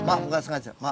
maaf bukan sengaja maaf